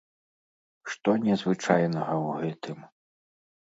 Што незвычайнага ў гэтым.